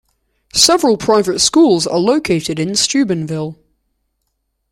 Several private schools are located in Steubenville.